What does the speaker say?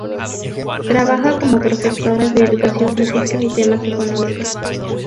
Trabaja como profesora de educación física y temas económicos.